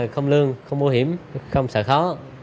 không lương không mô hiểm không sợ khó